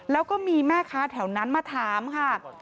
แล้วก็มีแม่ค้าแถวนั้นมาถามค่ะ